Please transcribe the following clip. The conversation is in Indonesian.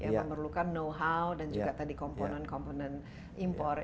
yang memerlukan know how dan juga tadi komponen komponen impor